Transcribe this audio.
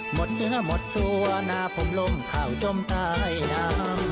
หมดเหนือหมดตัวหน้าผมลมเผ่าจมตายน้ำ